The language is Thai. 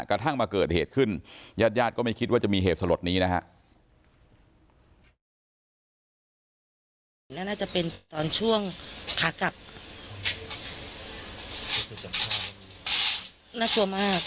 กระทั่งมาเกิดเหตุขึ้นญาติญาติก็ไม่คิดว่าจะมีเหตุสลดนี้นะฮะ